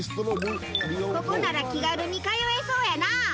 ここなら気軽に通えそうやな！